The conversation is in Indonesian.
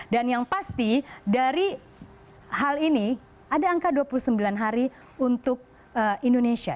yang pasti dari hal ini ada angka dua puluh sembilan hari untuk indonesia